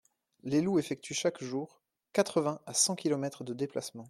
Les loups effectuent chaque jour quatre-vingts à cent kilomètres de déplacement.